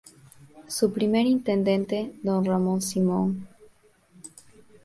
Su primer intendente don Ramón Simón.